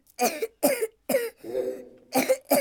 Kref.